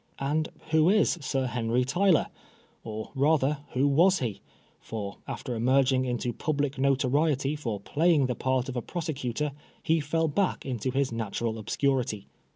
And who is Sir Henry Tyler ? or, rather, who was he ? for after emerging into public notoriety by playing the part of a prosecutor, he fell back into his natural obscurity.